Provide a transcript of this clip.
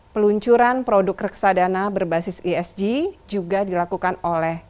peluncuran produk reksadana berbasis esg juga dilakukan oleh